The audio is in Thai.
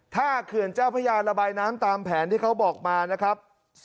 ถ้าเขื่อนเจ้าพระยาระบายน้ำตามแผนที่เขาบอกมานะครับ